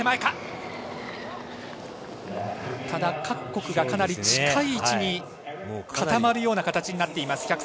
各国がかなり近い位置に固まるような形になっています。